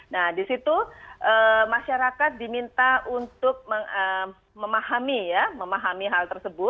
nah di situ masyarakat diminta untuk memahami hal tersebut